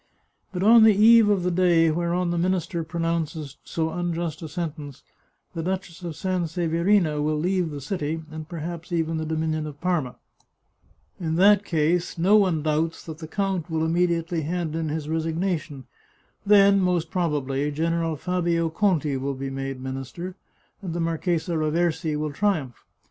But on the eve of the day whereon the minister pronounces so un just a sentence, the Duchess of Sanseverina will leave the city, and perhaps even the dominion of Parma. In that case, no one doubts that the count will immediately hand in his resignation. Then, most probably, General Fabio Conti will be made minister, and the Marchesa Raversi will triumph.